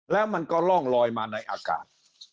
แล้วมันก็ร่องลอยมาในอากาศ